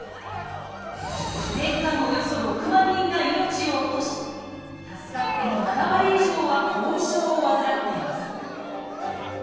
年間およそ６万人が命を落とし助かっても７割以上は後遺症を患っています